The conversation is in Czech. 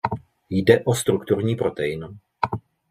Jde o strukturní protein.